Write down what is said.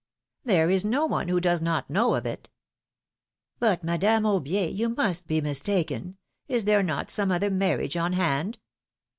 There is no one who does not know of it.'^ But, Madame Aubier, you must be mistaken ; is there not some other marriage on hand?